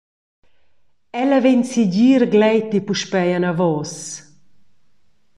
Ella vegn segir gleiti puspei anavos.